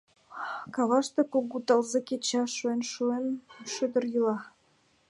Каваште кугу тылзе кеча, шуэн-шуэн шӱдыр йӱла.